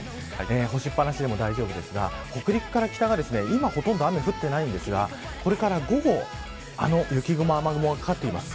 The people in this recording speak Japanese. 干しっぱなしでも大丈夫ですが北陸から北は、今ほとんど雨、降ってないんですがこれから午後、あの雪雲、雨雲がかかっています。